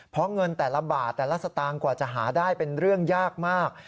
เพราะเงินแต่ละบาทแต่ละสตางค์กว่าจะหาได้เป็นเรื่องยากมาก